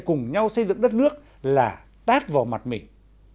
cùng nhau xây dựng đất nước là tát vào mặt mình